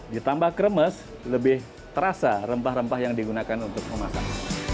ditambah kremes lebih terasa rempah rempah yang digunakan untuk memasak